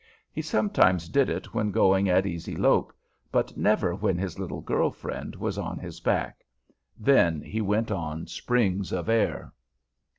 He sometimes did it when going at easy lope, but never when his little girl friend was on his back; then he went on springs of air.